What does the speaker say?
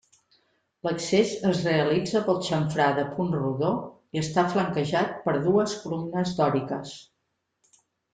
L'accés es realitza pel xamfrà de punt rodó i està flanquejat per dues columnes dòriques.